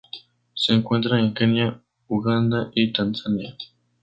Se encuentra en Kenia, Uganda y Tanzania.